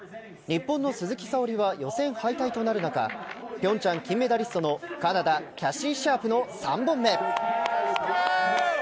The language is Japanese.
日本の鈴木沙織は予選敗退となる中平昌、金メダリストのカナダ、キャシー・シャープの３本目。